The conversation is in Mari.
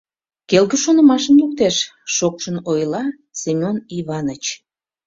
Келге шонымашым луктеш, — шокшын ойла Семён Иваныч.